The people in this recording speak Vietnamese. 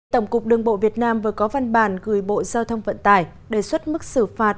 tổng cục đường bộ việt nam vừa có văn bản gửi bộ giao thông vận tải đề xuất mức xử phạt